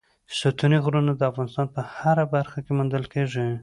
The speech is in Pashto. ستوني غرونه د افغانستان په هره برخه کې موندل کېږي.